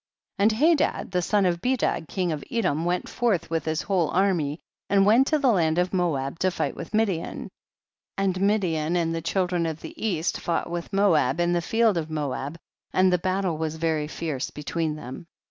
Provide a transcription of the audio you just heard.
18. And Hadad, son of Bedad, king of Edom, went forth with his whole army and went to the land of Moab to fight with Midian, and Mi dian and the children of the east fought with Moab in the field of Moab, and the battle was very fierce be tween them, 19.